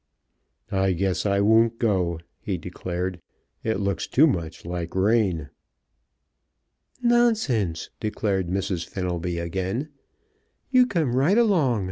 "I guess I won't go," he declared. "It looks too much like rain." "Nonsense!" declared Mrs. Fenelby again. "You come right along.